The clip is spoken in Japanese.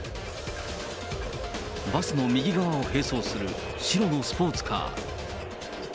バスの右側を並走する白のスポーツカー。